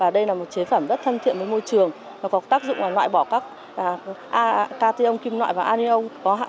đây là một chế phẩm rất thân thiện với môi trường có tác dụng loại bỏ các cation kim loại và anion